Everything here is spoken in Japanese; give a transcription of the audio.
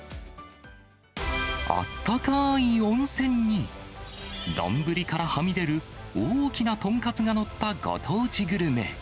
あったかーい温泉に、丼からはみ出る大きな豚カツが載ったご当地グルメ。